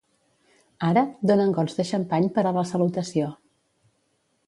Ara, donen gots de xampany per a la salutació.